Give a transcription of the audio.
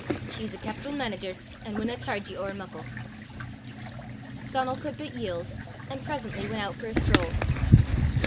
She's a capital manager, an' winna chairge ye ower muckle." Donal could but yield, and presently went out for a stroll.